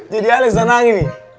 jadi ali senang ini